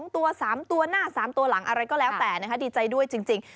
ตัว๓ตัวหน้า๓ตัวหลังอะไรก็แล้วแต่นะคะดีใจด้วยจริง